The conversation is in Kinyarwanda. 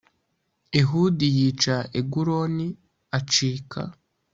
ehudi yica eguloni acika